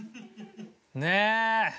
ねえ。